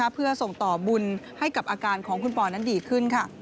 เพื่อส่งต่อบุญให้กับอาการของคุณปอนั้นดีขึ้น